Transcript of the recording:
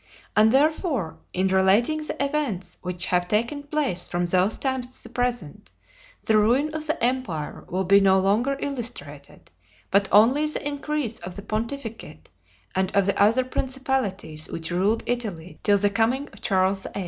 And, therefore, in relating the events which have taken place from those times to the present, the ruin of the empire will be no longer illustrated, but only the increase of the pontificate and of the other principalities which ruled Italy till the coming of Charles VIII.